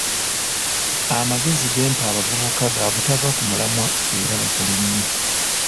Amagezi gempa abavubuka ga butava ku mulamwa era bakole nnyo.